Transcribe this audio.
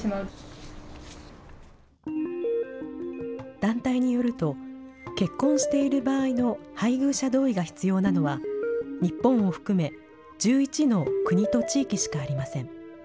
団体によると、結婚している場合の配偶者同意が必要なのは、日本を含め１１の国と地域しかありません。